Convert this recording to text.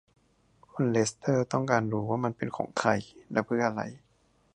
คุณเลสเตอร์ต้องการรู้ว่ามันเป็นของใครและเพื่ออะไร